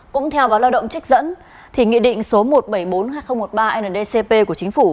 cũng theo báo lao động trích dẫn thì nghị định số một triệu bảy trăm bốn mươi hai nghìn một mươi ba ndcp của chính phủ